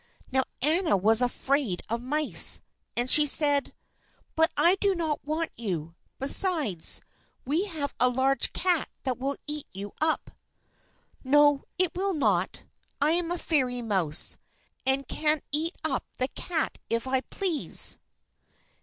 Now Anna was afraid of mice, and she said, "But I do not want you; besides, we have a large cat that will eat you up." "No, it will not; I am a fairy mouse, and can eat up the cat if I please."